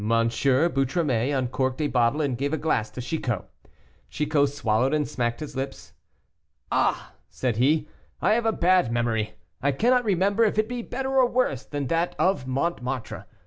Boutromet uncorked a bottle and gave a glass to Chicot. Chicot swallowed and smacked his lips. "Ah!" said he, "I have a bad memory, I cannot remember if it be better or worse than that at Montmartre.